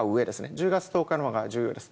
１０月１０日のほうが重要です。